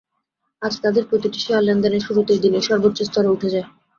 আজ তাদের প্রতিটি শেয়ার লেনদেনের শুরুতেই দিনের সর্বোচ্চ স্তরে উঠে যায়।